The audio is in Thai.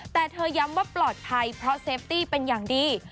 แต่เธอย้ำว่าปลอดภัยเพราะเซฟตี้เป็นอย่างดี